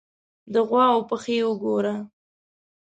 _د غواوو پښې وګوره!